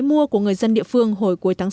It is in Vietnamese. mua của người dân địa phương hồi cuối tháng sáu